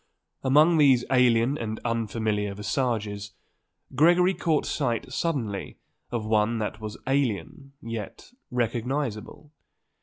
Among these alien and unfamiliar visages, Gregory caught sight suddenly of one that was alien yet recognizable.